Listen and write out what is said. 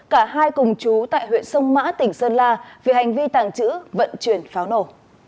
cả hai cùng chú tại huyện sông mã tỉnh sơn la vì hành vi tàng trữ vận chuyển pháo nổ